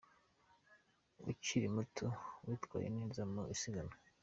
ukiri muto witwaye neza mu isiganwa.